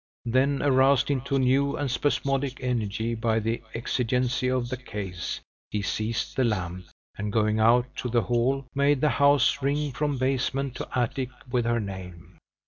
Then aroused into new and spasmodic energy by the exigency of the case, he seized the lamp, and going out to the hall, made the house ring from basement to attic with her name.